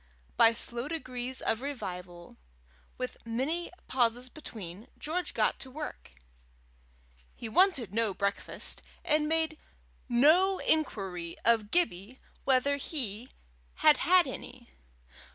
By slow degrees of revival, with many pauses between, George got to work. He wanted no breakfast, and made no inquiry of Gibbie whether he had had any.